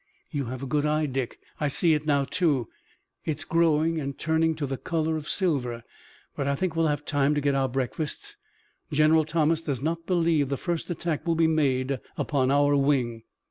"You have a good eye, Dick. I see it now, too. It's growing and turning to the color of silver. But I think we'll have time to get our breakfasts. General Thomas does not believe the first attack will be made upon our wing."